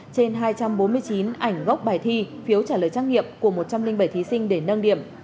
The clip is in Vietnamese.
trên hai trăm bốn mươi chín ảnh gốc bài thi phiếu trả lời trắc nghiệm của một trăm linh bảy thí sinh để nâng điểm